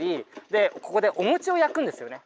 でここでお餅を焼くんですよね。